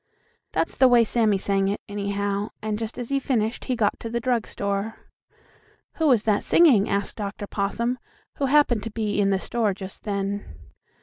'" That's the way Sammie sang it, anyhow, and just as he finished he got to the drug store. "Who was that singing?" asked Dr. Possum, who happened to be in the store just then.